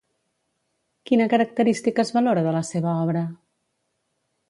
Quina característica es valora de la seva obra?